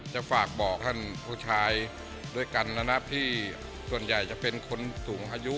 จะฝากบอกท่านผู้ชายด้วยกันนะนะที่ส่วนใหญ่จะเป็นคนสูงอายุ